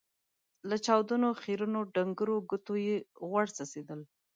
له چاودو، خيرنو ، ډنګرو ګوتو يې غوړ څڅېدل.